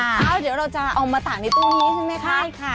อ้าวเดี๋ยวเราจะเอามาตากในตู้นี้ใช่ไหมคะ